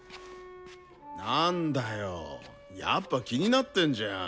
なんだよやっぱ気になってんじゃん。